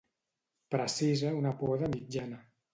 Precisa una poda mitjana.